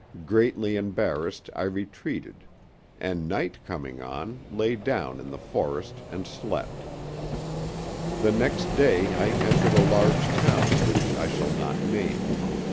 Greatly embarrassed, I retreated, and night coming on, lay down in the forest and slept. The next day I entered a large town which I shall not name.